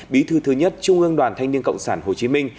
bí thư thứ nhất trung ương đoàn thanh niên cộng sản hồ chí minh